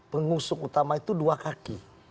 pengusung utama itu dua kaki